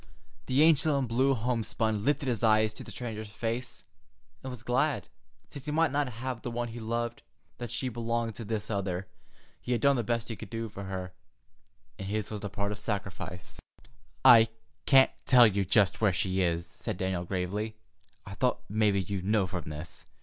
The angel in blue homespun lifted his eyes to the stranger's face, and was glad, since he might not have the one he loved, that she belonged to this other. He had done the best he could do for her, and his was the part of sacrifice. "I can't tell you just where she is," said Daniel gravely. "I thought mebbe you'd know from this.